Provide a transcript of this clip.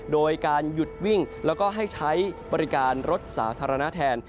โดยการหยุดวิ่งแล้วก็ให้ใช้บริการรถสาธารณะแทน